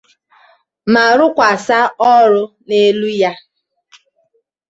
ma rụkwàsá ọrụ n'elu ya